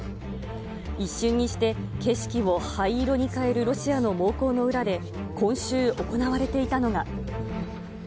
一瞬にして景色を灰色に変えるロシアの猛攻の裏で今週行われていたのが。